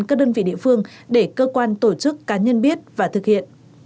các đơn vị địa phương để cơ quan tổ chức cá nhân biết và thực hiện